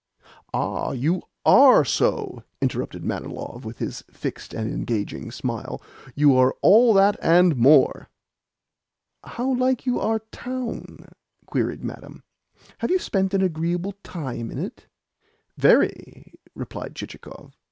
"Ah, you ARE so," interrupted Manilov with his fixed and engaging smile. "You are all that, and more." "How like you our town?" queried Madame. "Have you spent an agreeable time in it?" "Very," replied Chichikov.